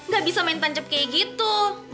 gak bisa main tancap kayak gitu